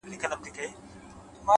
سکوت کله ناکله تر خبرو قوي وي’